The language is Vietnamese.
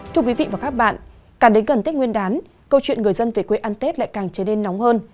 thưa quý vị và các bạn càng đến gần tết nguyên đán câu chuyện người dân về quê ăn tết lại càng trở nên nóng hơn